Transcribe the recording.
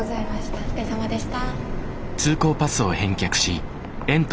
お疲れさまでした。